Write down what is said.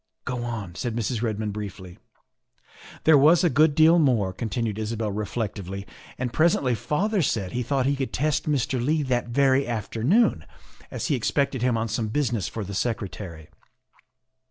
" Go on, " said Mrs. Redmond briefly. " There was a good deal more," continued Isabel reflectively, " and presently father said he thought he could test Mr. Leigh that very afternoon, as he expected him on some business for the Secretary.